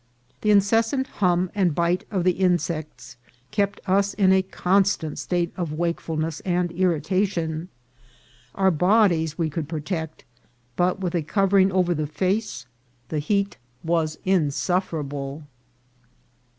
The incessant hum and bite of the insects kept us in a constant state of wakefulness and irritation. Our bodies we could protect, but with a covering over APPROACH TO PALENQUE. 279 the face the heat was insufferable.